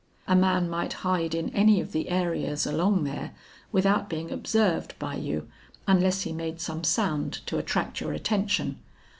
A man might hide in any of the areas along there, without being observed by you unless he made some sound to attract your attention.